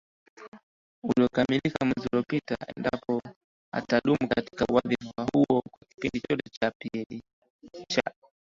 uliokamilika mwezi uliopita Endapo atadumu katika wadhifa huo kwa kipindi chote cha pili cha